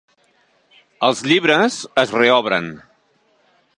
Els llibres es reobren.